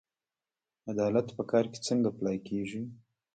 عدالت په کار کې څنګه پلی کیږي؟